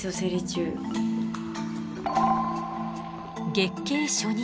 月経初日